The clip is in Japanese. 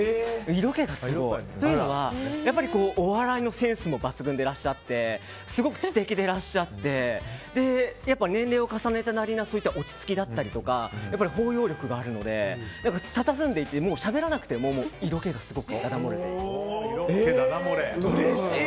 色気がすごい。というのは、やっぱりお笑いのセンスも抜群でいらっしゃってすごく知的でいらっしゃって年齢を重ねたなりの落ち着きだったりとかやっぱり包容力があるのでたたずんでいてもうしゃべらなくても色気がすごくダダ漏れてる。